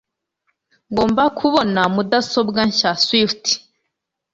ngomba kubona mudasobwa nshya. (swift